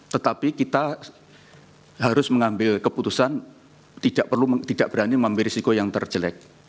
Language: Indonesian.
tetapi kita harus mengambil keputusan tidak berani mengambil risiko yang terjelek